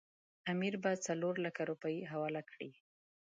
امیر به څلورلکه روپۍ حواله کړي.